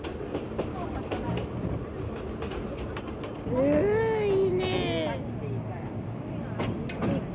ういいね！